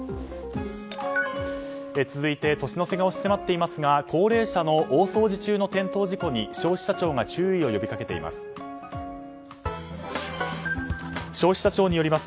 続いて、年の瀬が押し迫っていますが高齢者の大掃除中の転倒事故に消費者庁が注意を呼びかけています。